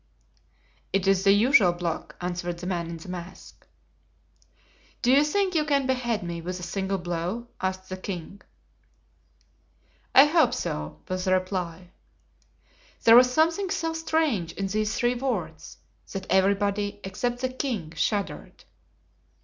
"It is the usual block," answered the man in the mask. "Do you think you can behead me with a single blow?" asked the king. "I hope so," was the reply. There was something so strange in these three words that everybody, except the king, shuddered.